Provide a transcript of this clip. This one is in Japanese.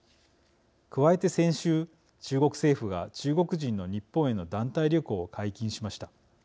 加えて先週、中国政府が中国人の日本への団体旅行を解禁しました。